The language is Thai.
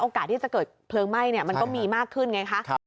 ที่จะเกิดเพลิงไหม้มันก็มีมากขึ้นไงคะ